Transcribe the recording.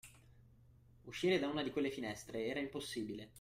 Uscire da una di quelle finestre era impossibile.